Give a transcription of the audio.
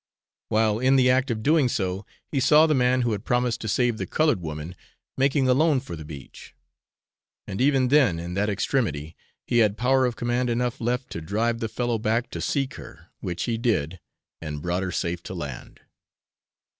While in the act of doing so, he saw the man who had promised to save the coloured woman making alone for the beach; and even then, in that extremity, he had power of command enough left to drive the fellow back to seek her, which he did, and brought her safe to land.